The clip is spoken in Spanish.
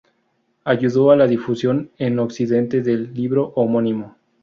Ayudó a la difusión en Occidente del libro homónimo.